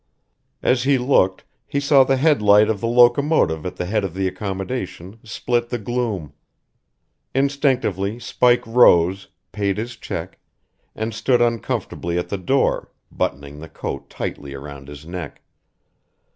As he looked, he saw the headlight of the locomotive at the head of the accommodation split the gloom. Instinctively Spike rose, paid his check, and stood uncomfortably at the door, buttoning the coat tightly around his neck.